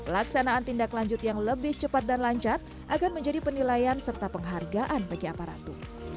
laksanaan tindaklanjut yang lebih cepat dan lancar akan menjadi penilaian serta penghargaan bagi aparatu